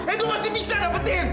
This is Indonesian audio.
edo pasti bisa dapetin